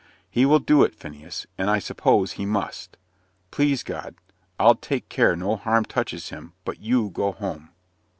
"He will do it, Phineas, and I suppose he must. Please God, I'll take care no harm touches him but you go home."